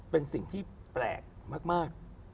เป็นสิ่งที่แปลกมาก